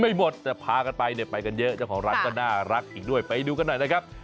ไม่หมดจะพากันไปก็ไปกันเยอะเเกี่ยวของร้านน่ารักอีกด้วยไปดูกันน่ะครับ